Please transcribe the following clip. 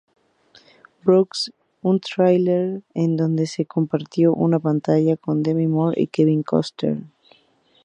Brooks", un thriller, en donde compartió pantalla con Demi Moore y Kevin Costner.